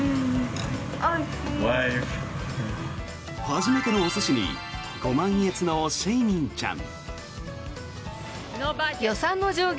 初めてのお寿司にご満悦のシェイミンちゃん。